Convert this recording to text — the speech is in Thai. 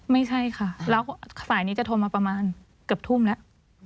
ไม่ใช่ค่ะแล้วสายนี้จะโทรมาประมาณเกือบทุ่มแล้ว